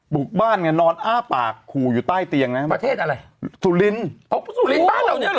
บุกบ้านไงนอนอ้าปากขู่อยู่ใต้เตียงนะประเทศอะไรสุรินทร์สุรินทร์บ้านเราเนี่ย